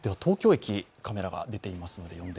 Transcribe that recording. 東京駅、カメラが出ています。